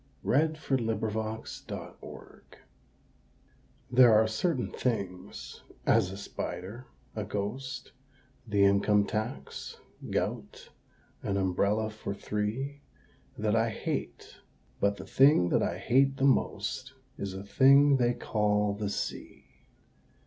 A SEA DIRGE. There are certain things as, a spider, a ghost, The income tax, gout, an umbrella for three That I hate, but the thing that I hate the most Is a thing they call the Sea.